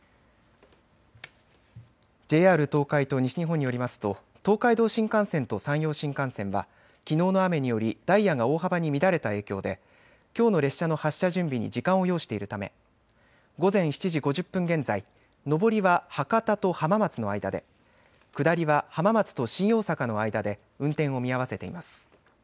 ＪＲ東海と西日本によりますと東海道新幹線と山陽新幹線はきのうの雨によりダイヤが大幅に乱れた影響できょうの列車の発車準備に時間を要しているため午前７時５０分現在、上りは博多と浜松の間で、下りは浜松と新大阪の間で運転を見合わせています。